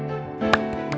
pilih yang ini